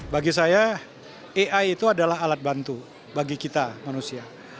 bagi saya ai itu adalah alat bantu bagi kita manusia